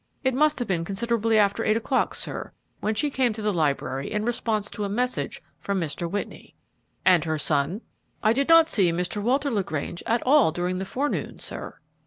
"It must have been considerably after eight o'clock, sir, when she came to the library in response to a message from Mr. Whitney." "And her son?" "I did not see Mr. Walter LaGrange at all during the forenoon, sir."